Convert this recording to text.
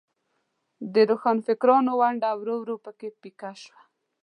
د روښانفکرانو ونډه ورو ورو په کې پیکه شوه.